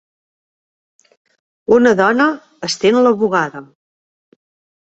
Una dona estén la bugada.